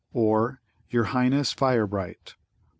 or "Your Highness Firebright!"